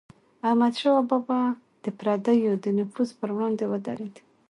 احمدشاه بابا به د پردیو د نفوذ پر وړاندې ودرید.